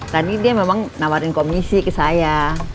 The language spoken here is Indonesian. tadi dia memang nawarin komisi ke saya